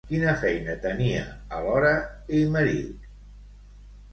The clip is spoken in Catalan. Quina feina tenia, alhora, Aymerich?